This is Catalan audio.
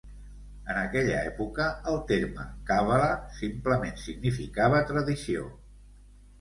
En aquella època el terme Càbala simplement significava tradició.